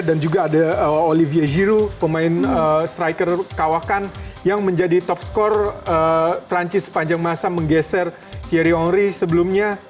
dan juga ada olivier giroud pemain striker kawakan yang menjadi top score perancis sepanjang masa menggeser thierry henry sebelumnya